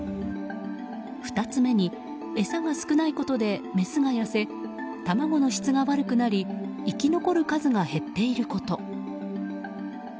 ２つ目に餌が少ないことでメスが痩せ卵の質が悪くなり生き残る数が減っていること。